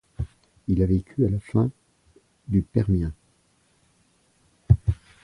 Il a vécu à la fin du Permien.